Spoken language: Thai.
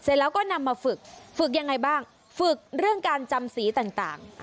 แล้วก็นำมาฝึกฝึกยังไงบ้างฝึกเรื่องการจำสีต่าง